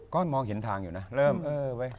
ก็มองเห็นทางอยู่นะเริ่มเออไว้